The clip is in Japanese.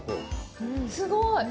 すごーい。